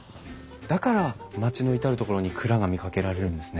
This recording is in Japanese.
だから町の至る所に蔵が見かけられるんですね。